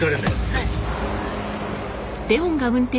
はい。